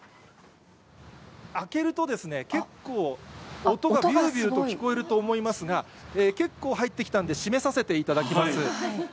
開けるとですね、結構、音がびゅーびゅーと聞こえると思いますが、結構入ってきたんで、閉めさせていただきます。